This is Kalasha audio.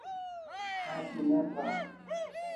Asi ne pra